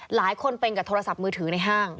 หลายคนเป็นกับโทรศัพท์มือถือในห้าง